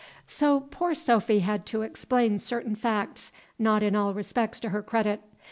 So poor Sophy had to explain certain facts not in all respects to her credit.